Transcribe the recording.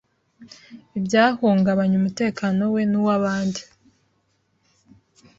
ibyahungabanya umutekano we n’uw’abandi.